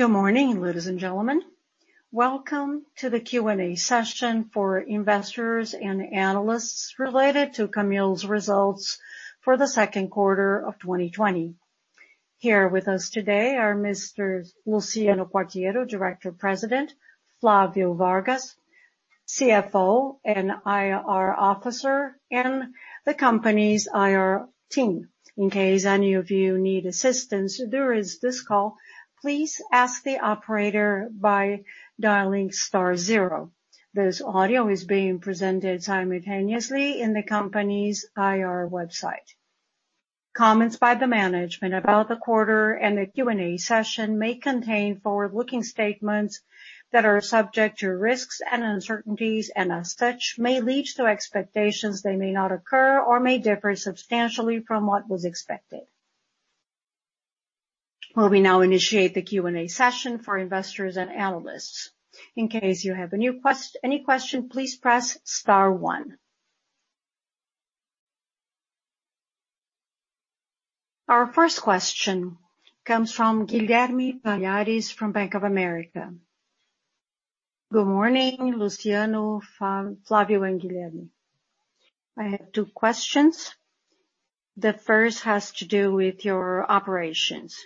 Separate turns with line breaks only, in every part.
Good morning, ladies and gentlemen. Welcome to the Q&A session for investors and analysts related to Camil's results for the second quarter of 2020. Here with us today are Mr. Luciano Quartiero, Director President, Flavio Vargas, CFO and IR Officer, and the company's IR team. In case any of you need assistance during this call, please ask the operator by dialing star zero. This audio is being presented simultaneously on the company's IR website. Comments by the management about the quarter and the Q&A session may contain forward-looking statements that are subject to risks and uncertainties and as such, may lead to expectations that may not occur or may differ substantially from what was expected. We now initiate the Q&A session for investors and analysts. In case you have any question, please press star one. Our first question comes from Guilherme Palhares from Bank of America.
Good morning, Luciano, Flavio. Guilherme. I have two questions. The first has to do with your operations.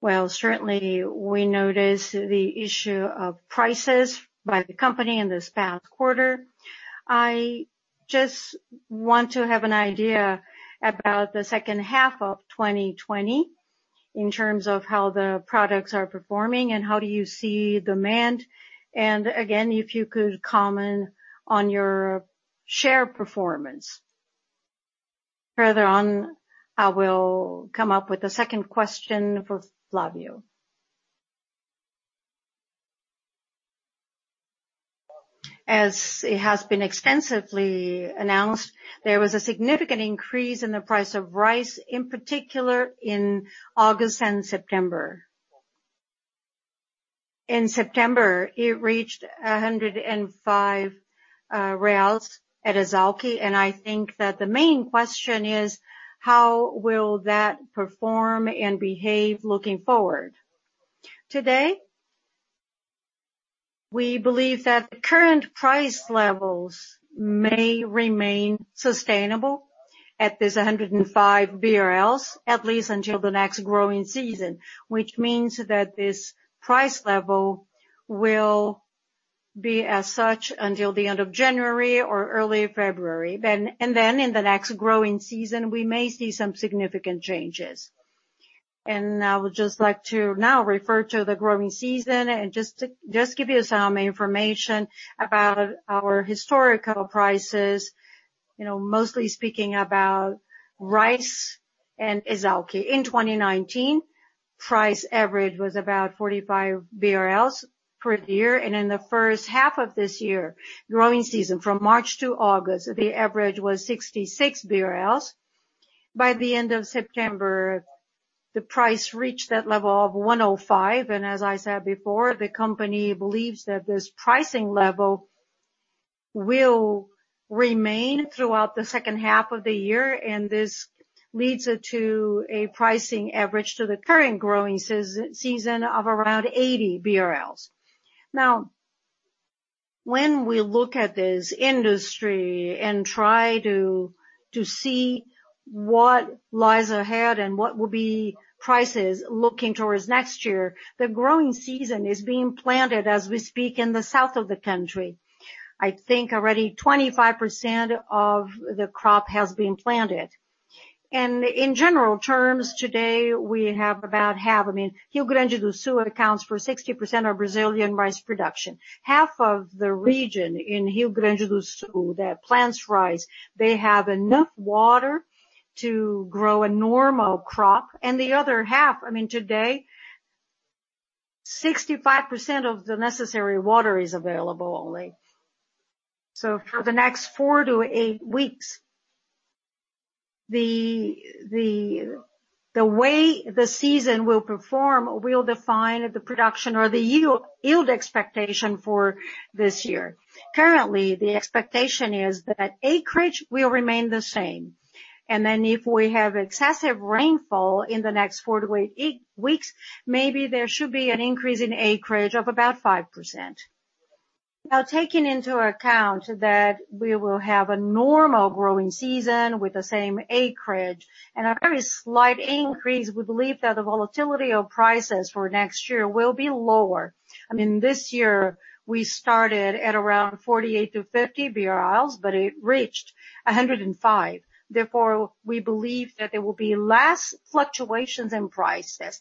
While certainly we notice the issue of prices by the company in this past quarter, I just want to have an idea about the second half of 2020 in terms of how the products are performing and how do you see demand, and again, if you could comment on your share performance. Further on, I will come up with a second question for Flavio.
As it has been extensively announced, there was a significant increase in the price of rice, in particular in August and September. In September, it reached 105 at ESALQ, and I think that the main question is how will that perform and behave looking forward. Today, we believe that the current price levels may remain sustainable at this 105 BRL, at least until the next growing season, which means that this price level will be as such until the end of January or early February. In the next growing season, we may see some significant changes. I would just like to now refer to the growing season and just give you some information about our historical prices. Mostly speaking about rice in ESALQ. In 2019, price average was about 45 BRL per year, and in the first half of this year, growing season from March to August, the average was 66 BRL. By the end of September, the price reached that level of 105. As I said before, the company believes that this pricing level will remain throughout the second half of the year. This leads to a pricing average to the current growing season of around 80 BRL. Now, when we look at this industry and try to see what lies ahead and what will be prices looking towards next year, the growing season is being planted as we speak in the south of the country. I think already 25% of the crop has been planted. In general terms, today we have about half. Rio Grande do Sul accounts for 60% of Brazilian rice production. Half of the region in Rio Grande do Sul that plants rice, they have enough water to grow a normal crop. The other half, today, 65% of the necessary water is available only. For the next four to eight weeks, the way the season will perform will define the production or the yield expectation for this year. Currently, the expectation is that acreage will remain the same. If we have excessive rainfall in the next four to eight weeks, maybe there should be an increase in acreage of about 5%. Now, taking into account that we will have a normal growing season with the same acreage and a very slight increase, we believe that the volatility of prices for next year will be lower. This year, we started at around 48-50 BRL, but it reached 105. Therefore, we believe that there will be less fluctuations in prices,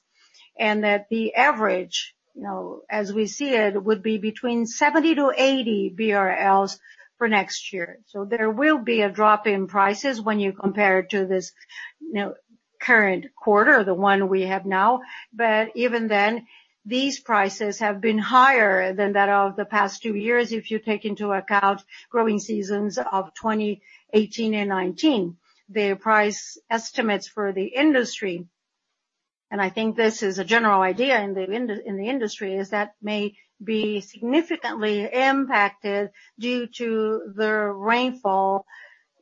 and that the average, as we see it, would be between 70- 80 BRL for next year. There will be a drop in prices when you compare it to this current quarter, the one we have now. Even then, these prices have been higher than that of the past two years if you take into account growing seasons of 2018 and 2019. The price estimates for the industry, and I think this is a general idea in the industry, is that may be significantly impacted due to the rainfall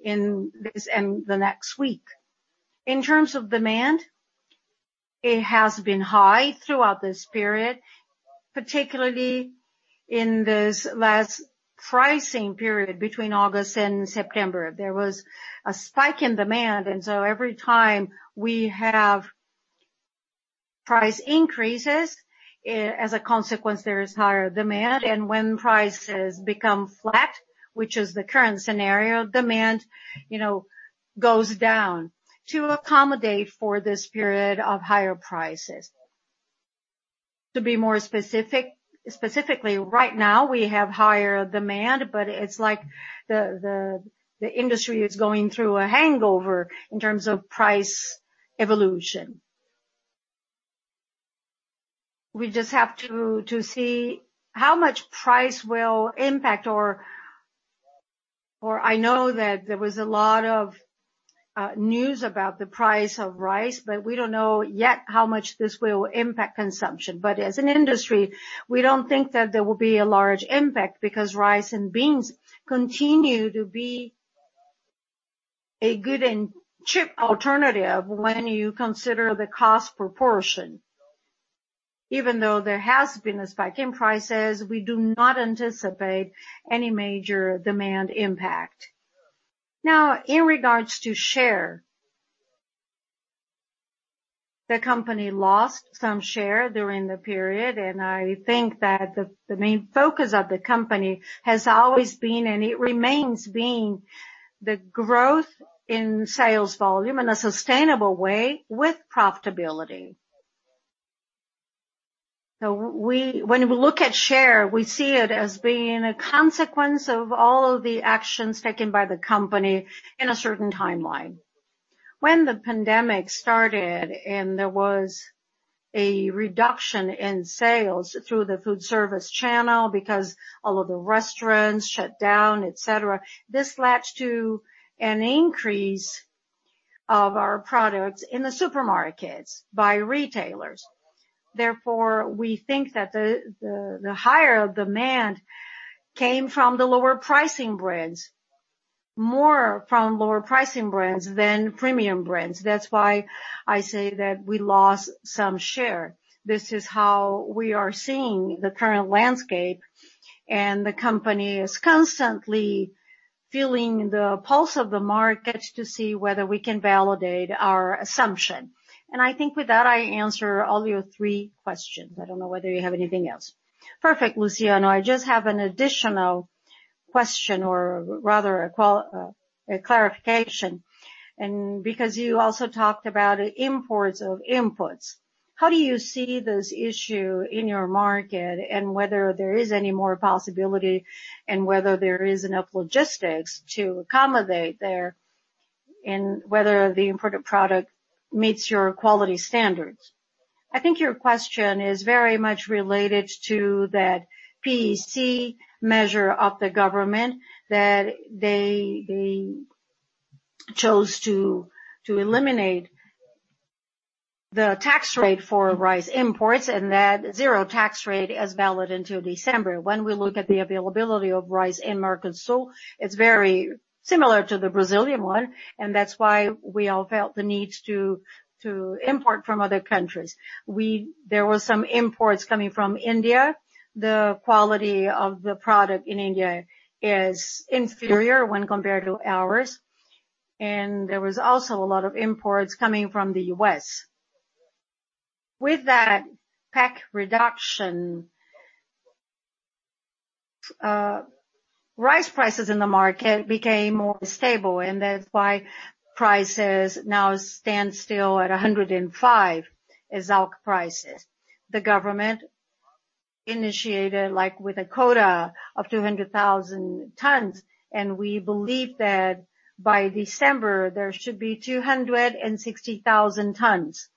in this and the next week. In terms of demand, it has been high throughout this period, particularly in this last pricing period between August and September. There was a spike in demand, and so every time we have price increases, as a consequence, there is higher demand. When prices become flat, which is the current scenario, demand goes down to accommodate for this period of higher prices. To be more specifically, right now we have higher demand, but it's like the industry is going through a hangover in terms of price evolution. We just have to see how much price will impact or I know that there was a lot of news about the price of rice, but we don't know yet how much this will impact consumption. As an industry, we don't think that there will be a large impact because rice and beans continue to be a good and cheap alternative when you consider the cost proportion. Even though there has been a spike in prices, we do not anticipate any major demand impact. Now, in regards to share, the company lost some share during the period, and I think that the main focus of the company has always been, and it remains being, the growth in sales volume in a sustainable way with profitability. When we look at share, we see it as being a consequence of all of the actions taken by the company in a certain timeline. When the pandemic started and there was a reduction in sales through the food service channel because all of the restaurants shut down, et cetera, this led to an increase of our products in the supermarkets by retailers. Therefore, we think that the higher demand came from the lower pricing brands, more from lower pricing brands than premium brands. That's why I say that we lost some share. This is how we are seeing the current landscape, and the company is constantly feeling the pulse of the market to see whether we can validate our assumption. I think with that, I answer all your three questions. I don't know whether you have anything else.
Perfect, Luciano. I just have an additional question, or rather a clarification. You also talked about imports of inputs. How do you see this issue in your market and whether there is any more possibility and whether there is enough logistics to accommodate there, and whether the imported product meets your quality standards?
I think your question is very much related to that TEC measure of the government that they chose to eliminate the tax rate for rice imports, and that zero tax rate is valid until December. When we look at the availability of rice in markets, so it's very similar to the Brazilian one, and that's why we all felt the need to import from other countries. There were some imports coming from India. The quality of the product in India is inferior when compared to ours. There was also a lot of imports coming from the U.S. With that PEC reduction, rice prices in the market became more stable. That's why prices now stand still at 105 in ESALQ prices. The government initiated with a quota of 200,000 tons. We believe that by December, there should be 260,000 tons.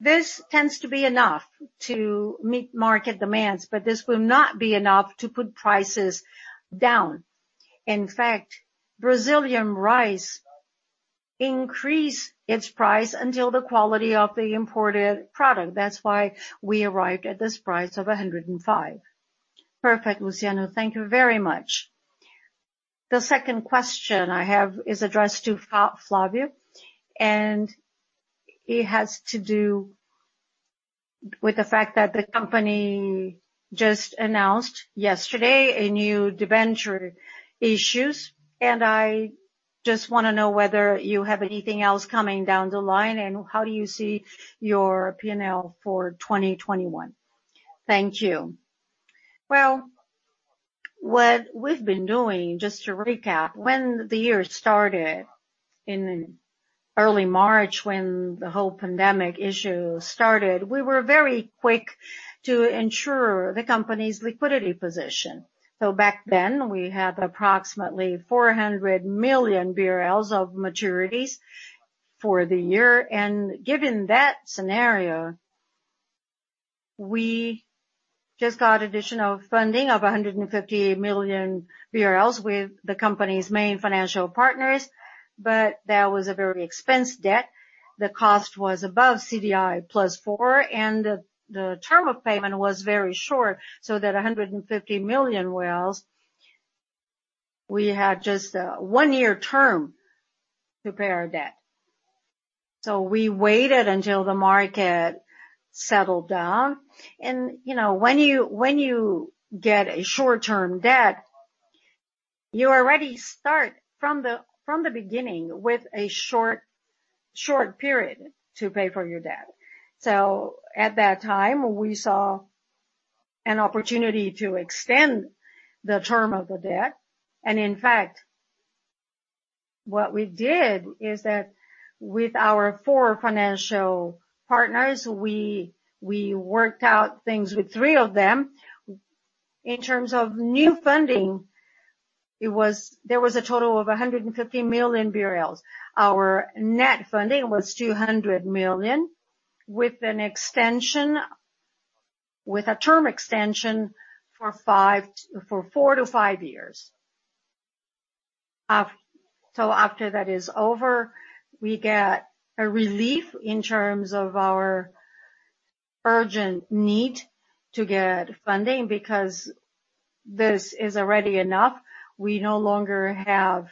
This tends to be enough to meet market demands. This will not be enough to put prices down. In fact, Brazilian rice increased its price until the quality of the imported product. That's why we arrived at this price of 105.
Perfect, Luciano. Thank you very much. The second question I have is addressed to Flavio. It has to do with the fact that the company just announced yesterday a new debenture issues. I just want to know whether you have anything else coming down the line. How do you see your P&L for 2021? Thank you.
Well, what we've been doing, just to recap, when the year started in early March, when the whole pandemic issue started, we were very quick to ensure the company's liquidity position. Back then, we had approximately 400 million BRL of maturities for the year. Given that scenario, we just got additional funding of BRL 150 million with the company's main financial partners. That was a very expensive debt. The cost was above CDI+4%. The term of payment was very short 150 million. We had just a one-year term to pay our debt. We waited until the market settled down. When you get a short-term debt, you already start from the beginning with a short period to pay for your debt. At that time, we saw an opportunity to extend the term of the debt. In fact, what we did is that with our four financial partners, we worked out things with three of them. In terms of new funding, there was a total of 150 million BRL. Our net funding was 200 million, with a term extension for four to five years. After that is over, we get a relief in terms of our urgent need to get funding, because this is already enough. We no longer have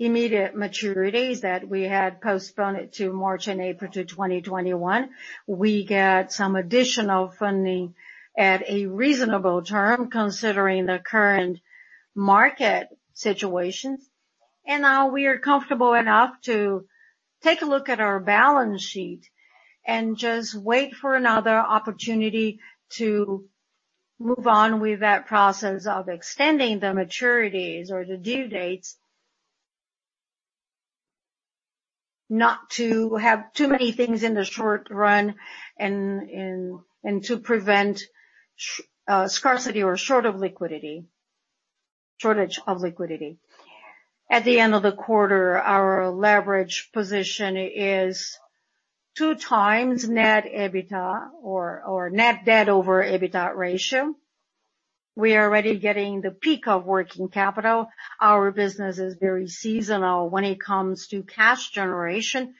immediate maturities that we had postponed to March and April to 2021. We get some additional funding at a reasonable term, considering the current market situation. Now we are comfortable enough to take a look at our balance sheet and just wait for another opportunity to move on with that process of extending the maturities or the due dates, not to have too many things in the short run and to prevent scarcity or shortage of liquidity. At the end of the quarter, our leverage position is 2x net EBITDA or net debt-to-EBITDA ratio. We are already getting the peak of working capital. Our business is very seasonal when it comes to cash generation.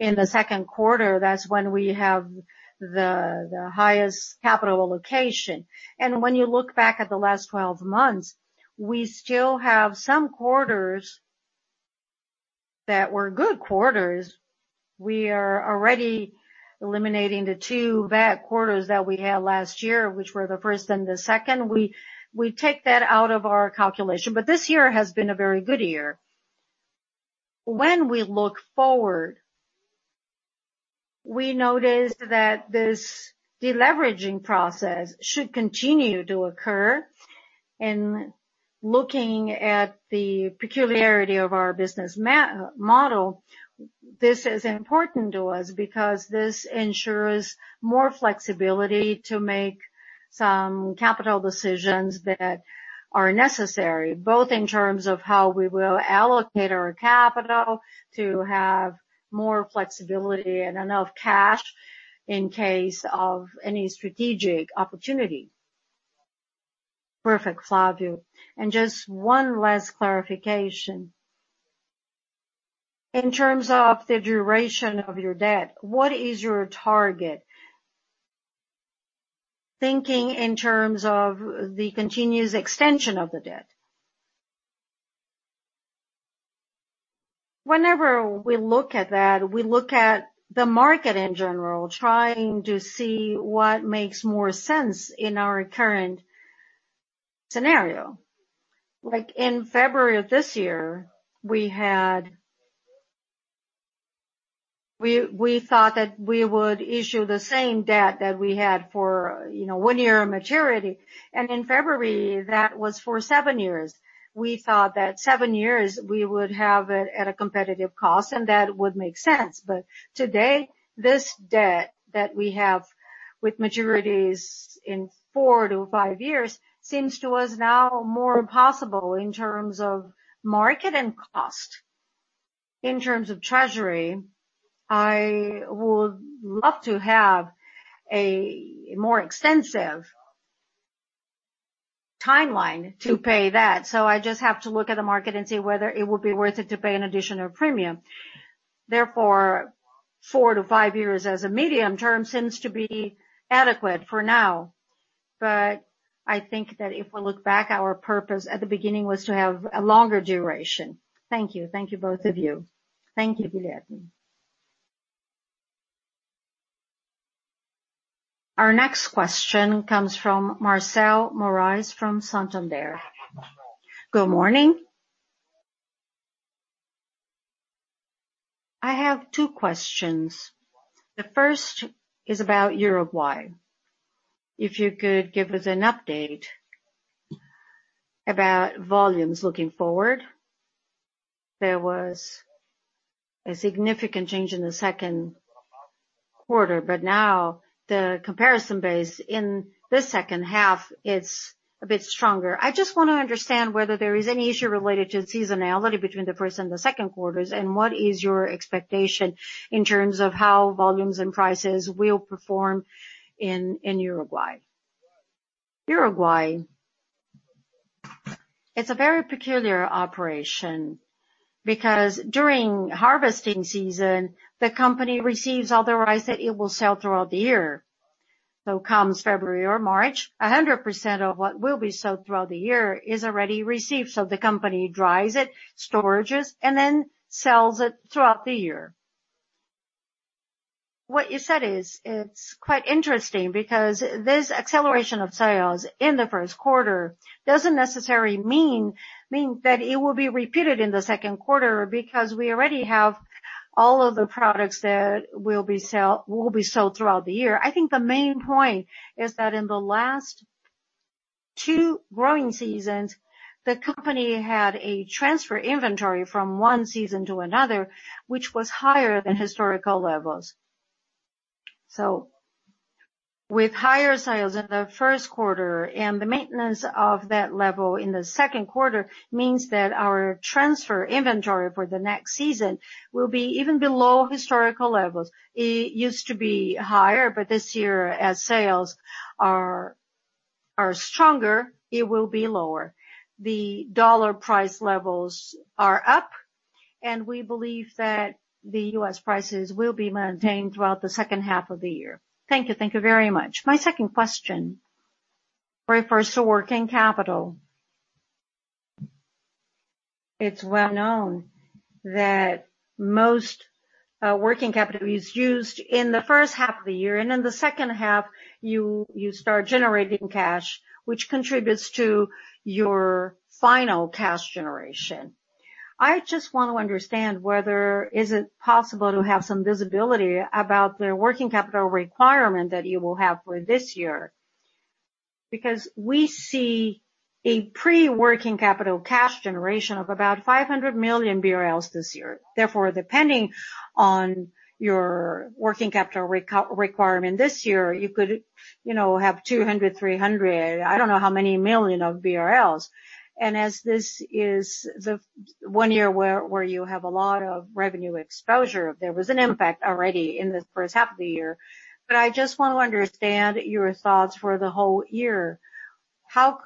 In the second quarter, that's when we have the highest capital allocation. When you look back at the last 12 months, we still have some quarters that were good quarters. We are already eliminating the two bad quarters that we had last year, which were the first and the second. We take that out of our calculation. This year has been a very good year. When we look forward, we notice that this deleveraging process should continue to occur. Looking at the peculiarity of our business model, this is important to us because this ensures more flexibility to make some capital decisions that are necessary, both in terms of how we will allocate our capital to have more flexibility and enough cash in case of any strategic opportunity.
Perfect, Flavio. Just one last clarification. In terms of the duration of your debt, what is your target? Thinking in terms of the continuous extension of the debt.
Whenever we look at that, we look at the market in general, trying to see what makes more sense in our current scenario. Like in February of this year, we thought that we would issue the same debt that we had for one year maturity. In February, that was for seven years. We thought that seven years, we would have it at a competitive cost, and that would make sense. Today, this debt that we have with maturities in four to five years seems to us now more possible in terms of market and cost. In terms of treasury, I would love to have a more extensive timeline to pay that. I just have to look at the market and see whether it would be worth it to pay an additional premium. Therefore, four to five years as a medium term seems to be adequate for now. I think that if we look back, our purpose at the beginning was to have a longer duration. Thank you.
Thank you, both of you.
Thank you, Guilherme. Our next question comes from Marcel Moraes from Santander.
Good morning. I have two questions. The first is about Uruguay, if you could give us an update about volumes looking forward. There was a significant change in the second quarter, but now the comparison base in this second half is a bit stronger. I just want to understand whether there is any issue related to seasonality between the first and the second quarters, and what is your expectation in terms of how volumes and prices will perform in Uruguay?
Uruguay. It's a very peculiar operation because during harvesting season, the company receives all the rice that it will sell throughout the year. Comes February or March, 100% of what will be sold throughout the year is already received. The company dries it, storages, and then sells it throughout the year. What you said is quite interesting because this acceleration of sales in the first quarter doesn't necessarily mean that it will be repeated in the second quarter because we already have all of the products that will be sold throughout the year. I think the main point is that in the last two growing seasons, the company had a transfer inventory from one season to another, which was higher than historical levels. With higher sales in the first quarter and the maintenance of that level in the second quarter means that our transfer inventory for the next season will be even below historical levels. It used to be higher, but this year as sales are stronger, it will be lower. The dollar price levels are up, and we believe that the U.S. prices will be maintained throughout the second half of the year. Thank you.
Thank you very much. My second question refers to working capital. It's well known that most working capital is used in the first half of the year, and in the second half you start generating cash, which contributes to your final cash generation. I just want to understand whether is it possible to have some visibility about the working capital requirement that you will have for this year. We see a pre-working capital cash generation of about 500 million BRL this year. Depending on your working capital requirement this year, you could have 200 million, 300 million, I don't know how many million BRL. As this is the one year where you have a lot of revenue exposure, there was an impact already in the first half of the year. I just want to understand your thoughts for the whole year. What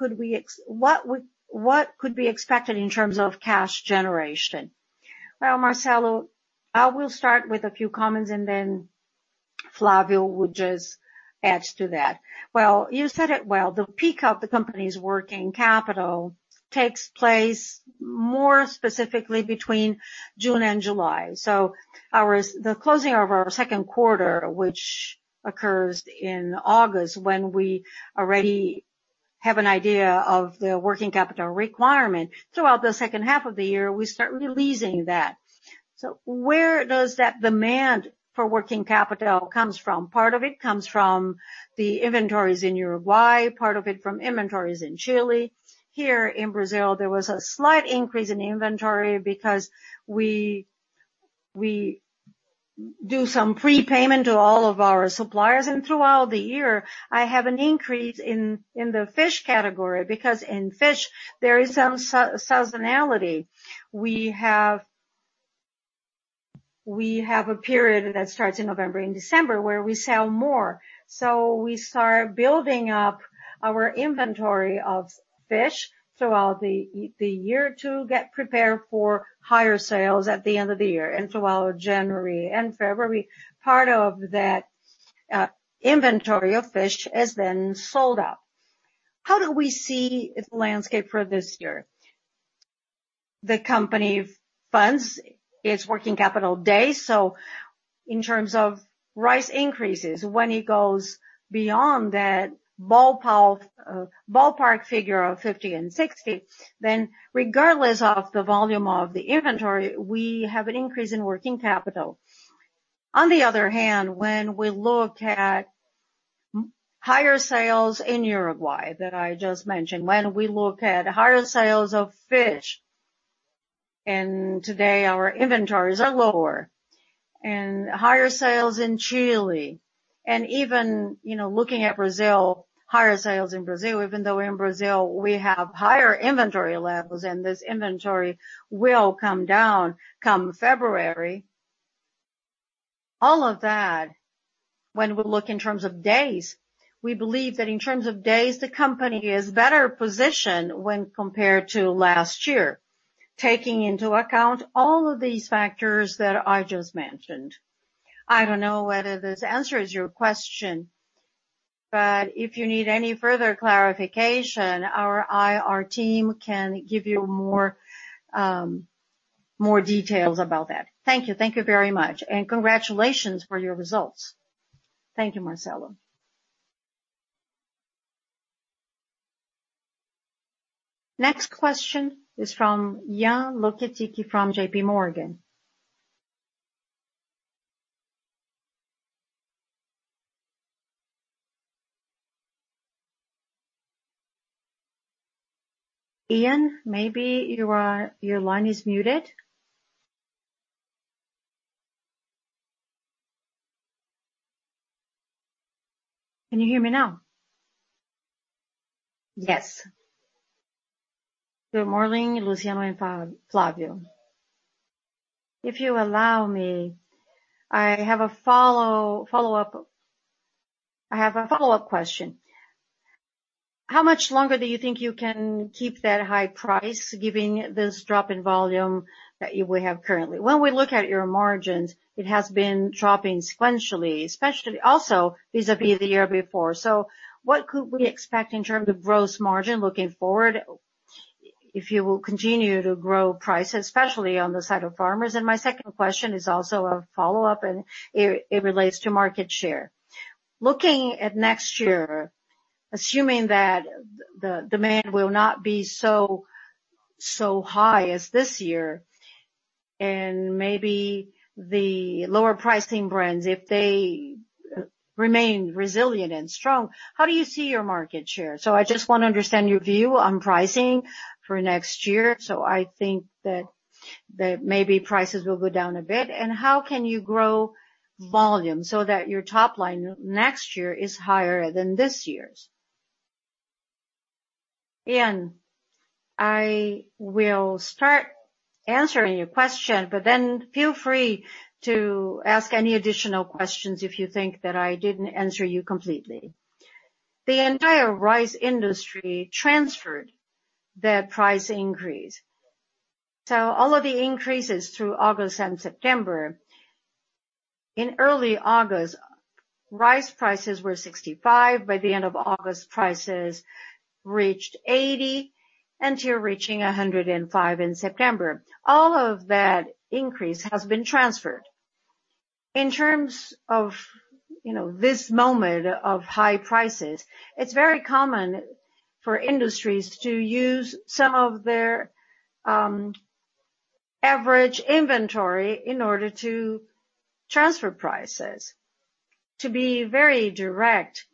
could be expected in terms of cash generation?
Well, Marcel, I will start with a few comments and then Flavio will just add to that. Well, you said it well. The peak of the company's working capital takes place more specifically between June and July. The closing of our second quarter, which occurs in August when we already have an idea of the working capital requirement. Throughout the second half of the year, we start releasing that. Where does that demand for working capital comes from? Part of it comes from the inventories in Uruguay, part of it from inventories in Chile. Here in Brazil, there was a slight increase in inventory because we do some prepayment to all of our suppliers. Throughout the year, I have an increase in the fish category because in fish there is some seasonality. We have a period that starts in November and December where we sell more. We start building up our inventory of fish throughout the year to get prepared for higher sales at the end of the year. Throughout January and February, part of that inventory of fish is then sold out. How do we see its landscape for this year? The company funds its working capital days, in terms of rice increases, when it goes beyond that ballpark figure of 50 and 60, regardless of the volume of the inventory, we have an increase in working capital. On the other hand, when we look at higher sales in Uruguay that I just mentioned, when we look at higher sales of fish. Today our inventories are lower and higher sales in Chile and even looking at Brazil, higher sales in Brazil, even though in Brazil we have higher inventory levels. This inventory will come down come February. All of that, when we look in terms of days, we believe that in terms of days, the company is better positioned when compared to last year, taking into account all of these factors that I just mentioned. I don't know whether this answers your question, but if you need any further clarification, our IR team can give you more details about that. Thank you.
Thank you very much, and congratulations for your results.
Thank you, Marcel.
Next question is from Ian Luketic from JPMorgan. Ian, maybe your line is muted.
Can you hear me now? Yes. Good morning, Luciano and Flavio. If you allow me, I have a follow-up question. How much longer do you think you can keep that high price given this drop in volume that we have currently? When we look at your margins, it has been dropping sequentially, especially also vis-à-vis the year before. What could we expect in terms of gross margin looking forward, if you will continue to grow prices, especially on the side of farmers? My second question is also a follow-up, and it relates to market share. Looking at next year, assuming that the demand will not be so high as this year, and maybe the lower pricing brands, if they remain resilient and strong, how do you see your market share? I just want to understand your view on pricing for next year. I think that maybe prices will go down a bit. How can you grow volume so that your top line next year is higher than this year's?
Ian, I will start answering your question, feel free to ask any additional questions if you think that I didn't answer you completely. The entire rice industry transferred that price increase. All of the increases through August and September, in early August, rice prices were 65. By the end of August, prices reached 80, and to reaching 105 in September. All of that increase has been transferred. In terms of this moment of high prices, it's very common for industries to use some of their average inventory in order to transfer prices. To be very direct,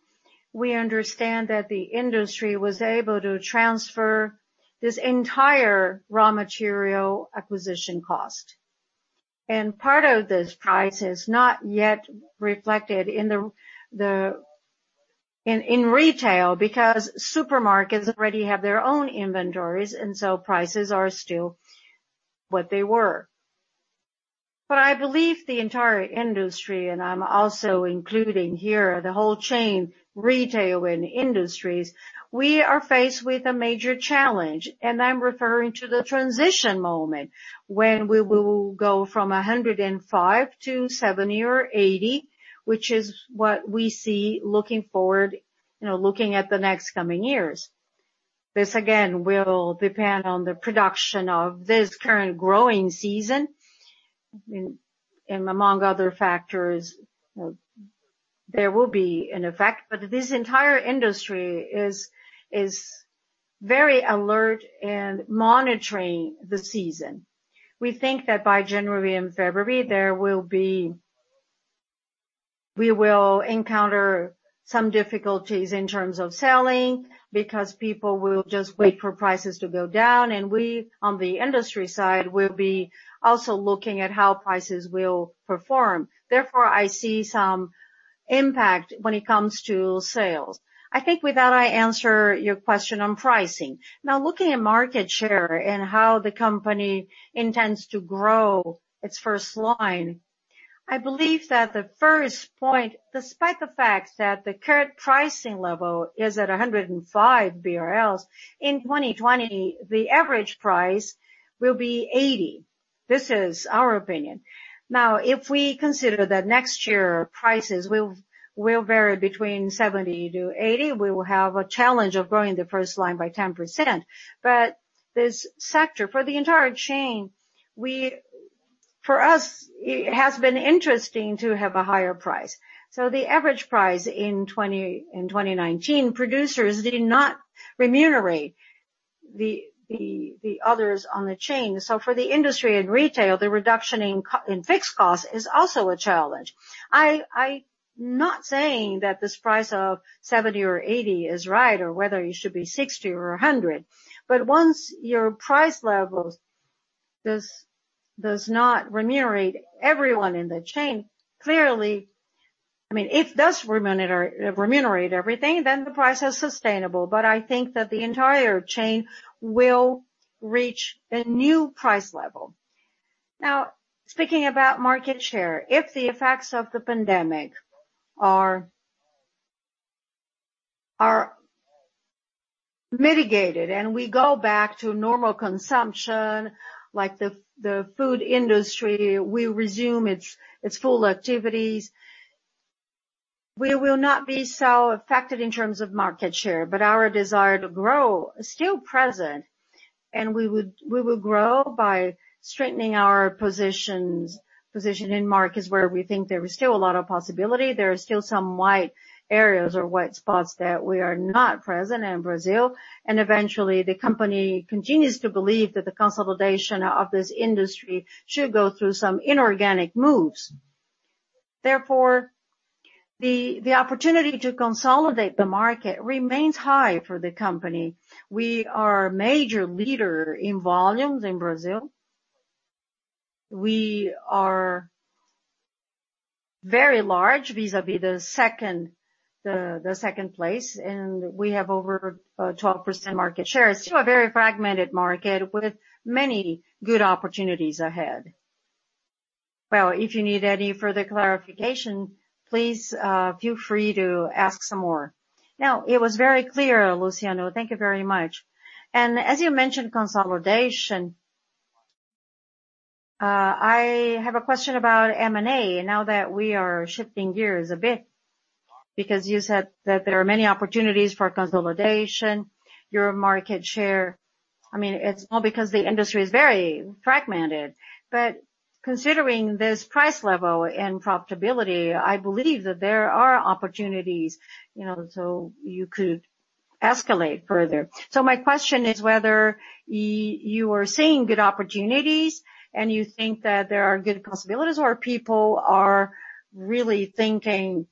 we understand that the industry was able to transfer this entire raw material acquisition cost. Part of this price is not yet reflected in retail because supermarkets already have their own inventories, and so prices are still what they were. I believe the entire industry, and I'm also including here the whole chain, retail, and industries, we are faced with a major challenge, and I'm referring to the transition moment when we will go from 105-70 or 80, which is what we see looking at the next coming years. This again, will depend on the production of this current growing season, and among other factors, there will be an effect. This entire industry is very alert and monitoring the season. We think that by January and February we will encounter some difficulties in terms of selling because people will just wait for prices to go down, and we, on the industry side, will be also looking at how prices will perform. I see some impact when it comes to sales. I think with that, I answer your question on pricing. Looking at market share and how the company intends to grow its first line, I believe that the first point, despite the fact that the current pricing level is at 105 BRL, in 2020, the average price will be 80. This is our opinion. If we consider that next year prices will vary between 70-80, we will have a challenge of growing the first line by 10%. This sector, for the entire chain, for us, it has been interesting to have a higher price. The average price in 2019, producers did not remunerate the others on the chain. For the industry and retail, the reduction in fixed cost is also a challenge. I'm not saying that this price of 70 or 80 is right, or whether it should be 60 or 100, but once your price level does not remunerate everyone in the chain. If it does remunerate everything, then the price is sustainable. I think that the entire chain will reach a new price level. Speaking about market share, if the effects of the pandemic are mitigated and we go back to normal consumption, like the food industry will resume its full activities, we will not be so affected in terms of market share. Our desire to grow is still present. We will grow by strengthening our position in markets where we think there is still a lot of possibility. There are still some white areas or white spots that we are not present in Brazil. Eventually, the company continues to believe that the consolidation of this industry should go through some inorganic moves. The opportunity to consolidate the market remains high for the company. We are a major leader in volumes in Brazil. We are very large vis-à-vis the second place, and we have over 12% market share. Still a very fragmented market with many good opportunities ahead. Well, if you need any further clarification, please feel free to ask some more.
It was very clear, Luciano. Thank you very much. As you mentioned consolidation, I have a question about M&A now that we are shifting gears a bit. You said that there are many opportunities for consolidation, your market share, it's all because the industry is very fragmented. Considering this price level and profitability, I believe that there are opportunities so you could escalate further. My question is whether you are seeing good opportunities and you think that there are good possibilities, or people are really thinking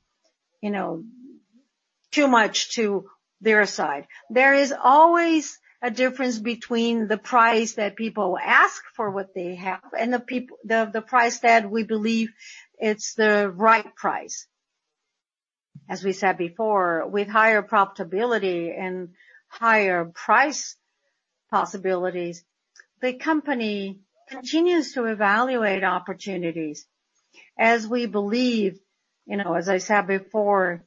too much to their side?
There is always a difference between the price that people ask for what they have and the price that we believe it's the right price. As we said before, with higher profitability and higher price possibilities, the company continues to evaluate opportunities. Therefore,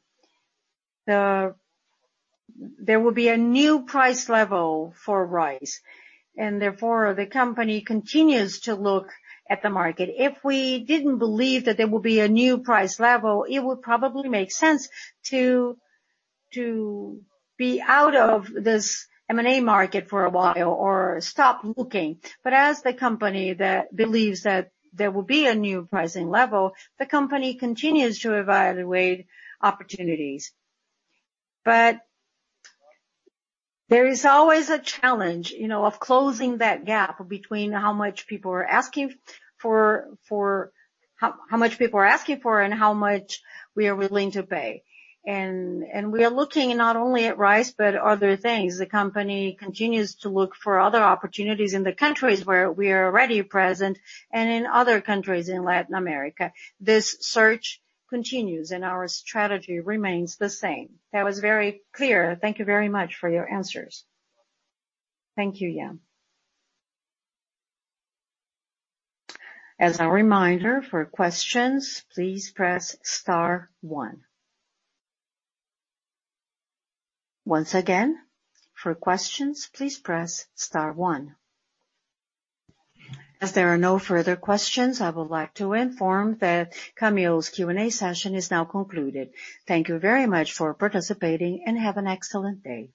the company continues to look at the market. If we didn't believe that there will be a new price level, it would probably make sense to be out of this M&A market for a while or stop looking. As the company that believes that there will be a new pricing level, the company continues to evaluate opportunities. There is always a challenge of closing that gap between how much people are asking for and how much we are willing to pay. We are looking not only at rice, but other things. The company continues to look for other opportunities in the countries where we are already present and in other countries in Latin America. This search continues, and our strategy remains the same.
That was very clear. Thank you very much for your answers.
Thank you, Ian.
As a reminder, for questions, please press star one. Once again, for questions, please press star one. There are no further questions, I would like to inform that Camil's Q&A session is now concluded. Thank you very much for participating, and have an excellent day.